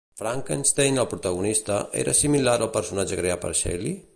Frankenstein, el protagonista, era similar al personatge creat per Shelley?